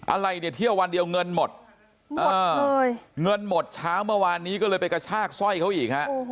อะไรเนี่ยเที่ยววันเดียวเงินหมดหมดเลยเงินหมดเช้าเมื่อวานนี้ก็เลยไปกระชากสร้อยเขาอีกฮะ